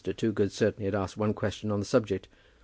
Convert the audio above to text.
Toogood certainly had asked one question on the subject.